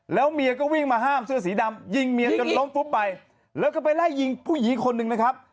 แล้วเมียก็วิ่งมาห้ามเสื้อสีดำยิงเมียจนล้มฟุบไปแล้วก็ไปไล่ยิงผู้หญิงคนหนึ่งนะครับ